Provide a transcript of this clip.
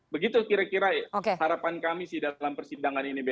begitu kira kira harapan kami sih dalam persidangan ini